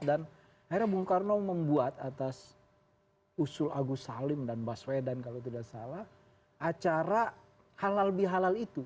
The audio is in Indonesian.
dan akhirnya bung karno membuat atas usul agus salim dan baswedan kalau tidak salah acara halal bihalal itu